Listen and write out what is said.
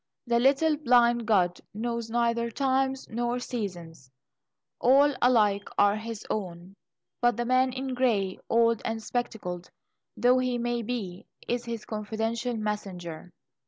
The little blind god knows neither times nor seasons all alike are his own but the man in grey, old and spectacled though he may be, is his confidential messenger.